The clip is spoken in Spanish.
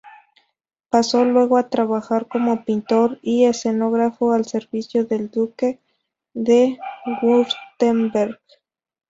Pasó luego a trabajar como pintor y escenógrafo al servicio del duque de Wurtemberg.